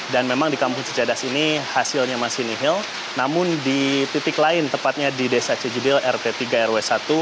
dan memang di kampung cicadas ini hasilnya masih nihil namun di titik lain tepatnya di desa cijedil r tiga rw satu